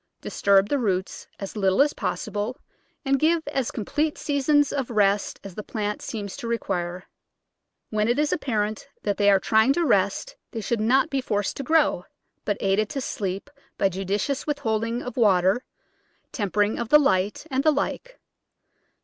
Disturb the roots as little as possible, and give as complete seasons of rest as the plant seems to require. When it is apparent that they are trying to rest they should not be forced to grow, but aided to sleep by judicious withholding of water, temper ing of the light, and the like.